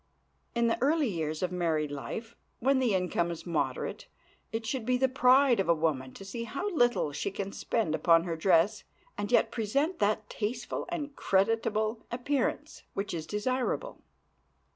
In the early years of married life, when the income is moderate, it should be the pride of a woman to see how little she can spend upon her dress and yet present that tasteful and creditable appearance which is desirable.